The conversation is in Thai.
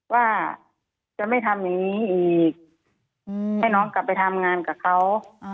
ว่าจะไม่ทำอย่างนี้อีกให้น้องกลับไปทำงานกับเขา